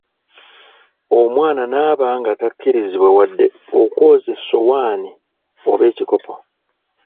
Omwana n'aba nga takkirizibwa wadde okwoza essowaani oba ekikopo!